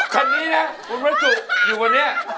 คนนี้นะคุณมันจุอยู่ตรงนี้